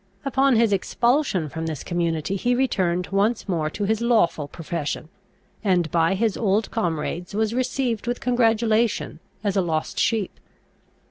Upon his expulsion from this community he returned once more to his lawful profession, and by his old comrades was received with congratulation as a lost sheep.